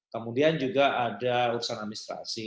kemudian juga ada urusan administrasi